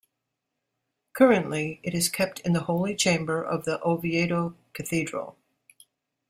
Currently, it is kept in the Holy Chamber of the Oviedo Cathedral.